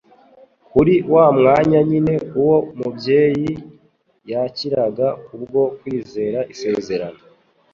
Kuri wa mwanya nyine uwo mubyeyi yakiraga kubwo kwizera isezerano